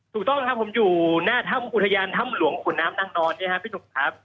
ถูกต้องครับผมอยู่หน้าถ้ำอุทยานถ้ำหลวงขุนน้ำนางนอนเนี่ยครับพี่หนุ่มครับ